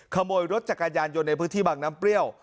ขโมยรถจักรยานยนต์ในพื้นที่บางน้ำเปรี้ยว